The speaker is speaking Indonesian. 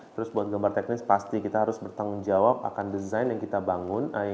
terus buat gambar teknis pasti kita harus bertanggung jawab akan desain yang kita bangun